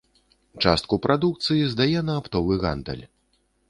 Частку прадукцыі здае на аптовы гандаль.